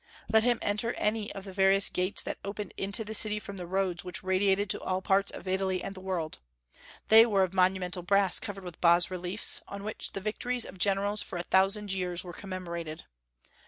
Let him enter any of the various gates that opened into the city from the roads which radiated to all parts of Italy and the world, they were of monumental brass covered with bas reliefs, on which the victories of generals for a thousand years were commemorated.